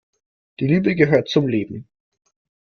Die Liebe gehört zum Leben.